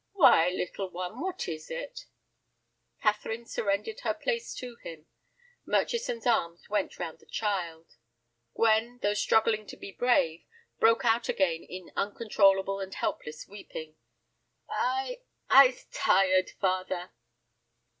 "Why, little one, what is it?" Catherine surrendered her place to him. Murchison's arms went round the child. Gwen, though struggling to be brave, broke out again into uncontrollable and helpless weeping. "I—I's tired, father."